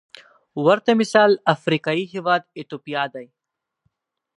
ورته مثال افریقايي هېواد ایتوپیا دی.